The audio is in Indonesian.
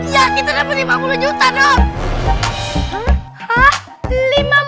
ya kita dapat lima puluh juta dok